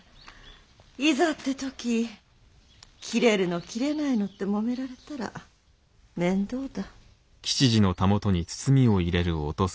いざって時切れるの切れないのってもめられたら面倒だ。